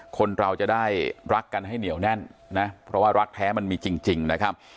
คนเราจะได้รักกันให้เหนียวแน่นนะเพราะว่ารักแท้มันมีจริงนะครับ